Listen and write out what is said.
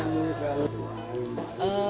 nika ardila pemirsa fans club